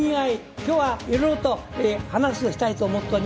今日はいろいろと話をしたいと思っております。